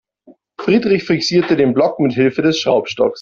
Friedrich fixierte den Block mithilfe des Schraubstocks.